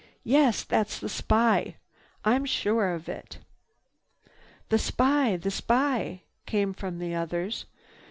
Yes, that's the spy, I'm sure of it." "The spy! The spy!" came from the others.